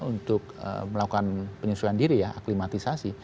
untuk melakukan penyesuaian diri ya aklimatisasi